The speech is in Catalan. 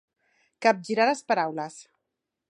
Capgirar les paraules.